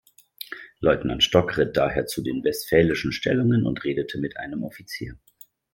Leutnant "Stock" ritt daher zu den westphälischen Stellungen und redete mit einem Offizier.